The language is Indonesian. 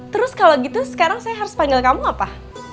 terus kalau gitu sekarang saya harus panggil kamu apa